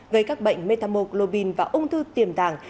với các bệnh metamoglobin và ung thư tiềm tàng